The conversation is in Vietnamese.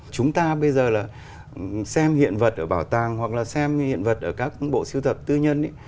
chúng ta bây giờ là xem hiện vật ở bảo tàng hoặc là xem hiện vật ở các bộ siêu thập tư nhân ý